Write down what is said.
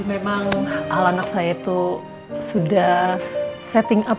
memang kalau anak saya itu sudah setting up